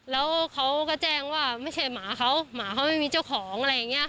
แล้วเขาก็แจ้งว่าไม่ใช่หมาเขาหมาเขาไม่มีเจ้าของอะไรอย่างนี้ค่ะ